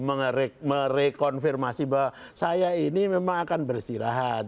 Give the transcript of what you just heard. merekonfirmasi bahwa saya ini memang akan bersirahat